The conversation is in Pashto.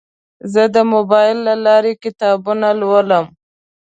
زه د موبایل له لارې کتابونه لولم.